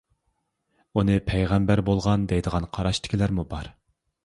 ئۇنى پەيغەمبەر بولغان دەيدىغان قاراشتىكىلەرمۇ بار.